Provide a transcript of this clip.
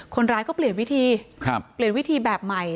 คนร้ายเขาเปลี่ยนวิธีแบบใหม่